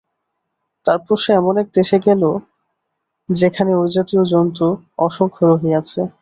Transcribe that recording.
তারপর সে এমন এক দেশে গেল, যেখানে ঐ জাতীয় জন্তু অসংখ্য রহিয়াছে।